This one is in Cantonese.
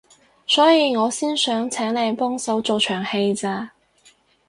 所以我先想請你幫手做場戲咋